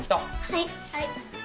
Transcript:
はい。